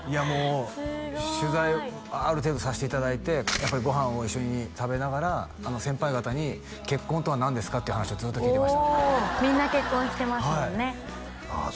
もう取材ある程度させていただいてやっぱりご飯を一緒に食べながら先輩方に結婚とは何ですかという話をずっと聞いてましたおみんな結婚してますもんねああ